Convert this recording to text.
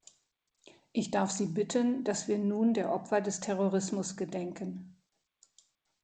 Ich darf Sie bitten, dass wir nun der Opfer des Terrorismus gedenken.